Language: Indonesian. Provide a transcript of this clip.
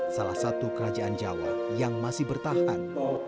salah satu kerajaan jawa yang masih bertahan